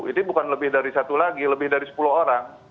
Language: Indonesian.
itu bukan lebih dari satu lagi lebih dari sepuluh orang